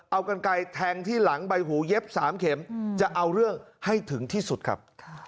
เอากันไกลแทงที่หลังใบหูเย็บ๓เข็มจะเอาเรื่องให้ถึงที่สุดครับ